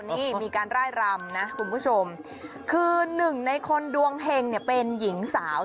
นี่มีการร่ายรำนะคุณผู้ชมคือหนึ่งในคนดวงเห็งเนี่ยเป็นหญิงสาว